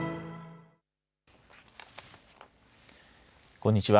こんにちは。